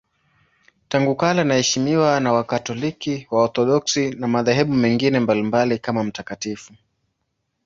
Tangu kale anaheshimiwa na Wakatoliki, Waorthodoksi na madhehebu mengine mbalimbali kama mtakatifu.